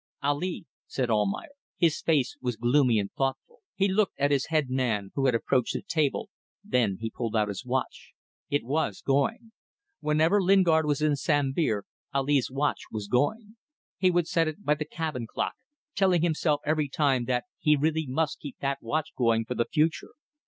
"Ali," said Almayer. His face was gloomy and thoughtful. He looked at his head man, who had approached the table, then he pulled out his watch. It was going. Whenever Lingard was in Sambir Almayer's watch was going. He would set it by the cabin clock, telling himself every time that he must really keep that watch going for the future.